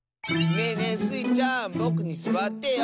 ねえねえスイちゃんぼくにすわってよ。